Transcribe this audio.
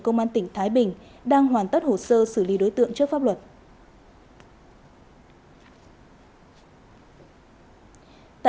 công an tỉnh thái bình đang hoàn tất hồ sơ xử lý đối tượng trước pháp luật